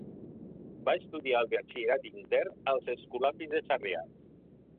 Va estudiar el batxillerat intern als escolapis de Sarrià.